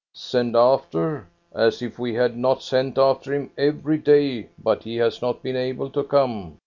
" Send after ! As if we had not sent after him every day, but be has not been able to come.